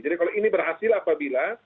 jadi kalau ini berhasil apabila